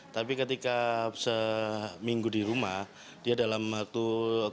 tapi ketika seminggu di rumah sakit umum daerah dokter sutomo surabaya